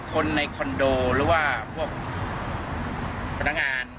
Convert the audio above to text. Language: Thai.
คนในคอนโดหรือว่าพวกพนักงาน